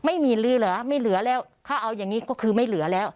ไม่มีลือเหลือไม่เหลือแล้วถ้าเอาอย่างนี้ก็คือไม่เหลือแล้ว